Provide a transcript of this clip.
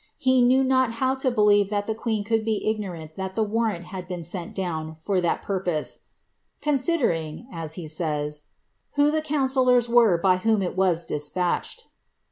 He knew not how to believe that the queen could be ignorant that the warrant had been sent down for that purpose, ^ considering," as he says, ^ who the counsellors were by whom it was despatched."